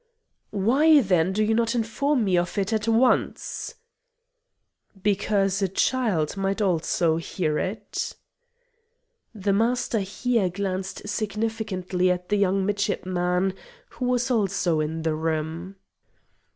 "Why, then, do you not inform me of it at once?" "Because a child might also hear it." The Master here glanced significantly at the young midshipman who was also in the room.